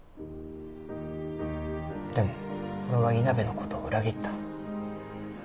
でも俺は稲辺のことを裏切った。